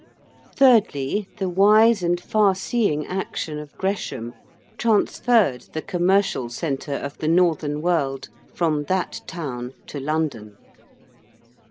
Thirdly, the wise and farseeing action of Gresham transferred the commercial centre of the northern world from that town to London.